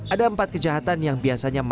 ada empat kejahatan yang biasanya